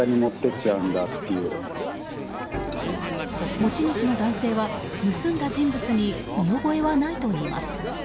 持ち主の男性は、盗んだ人物に見覚えはないといいます。